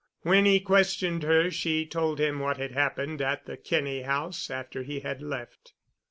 When he questioned her she told him what had happened at the Kinney House after he had left.